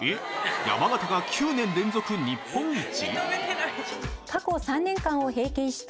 山形が９年連続日本一！？